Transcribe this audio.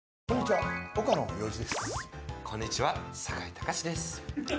こんにちは、酒井貴士です。